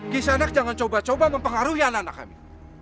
kisanak jangan coba coba mempengaruhi anak anak kami